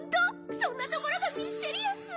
そんなところがミステリアス！